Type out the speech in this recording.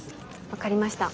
分かりました。